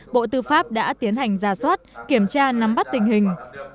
bộ tư pháp đã tiến hành ra soát kiểm tra nắm bắt tình hình